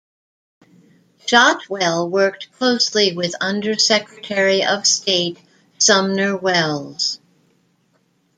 Shotwell worked closely with Under Secretary of State Sumner Welles.